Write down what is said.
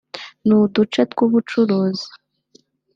n’uduce tw’ubucuruzi